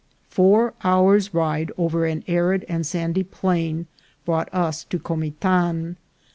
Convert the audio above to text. Four hours' ride over an arid and sandy plain brought us to Comitan.